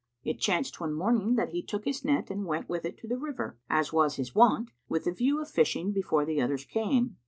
[FN#186] It chanced one morning, that he took his net and went with it to the river, as was his wont, with the view of fishing before the others came.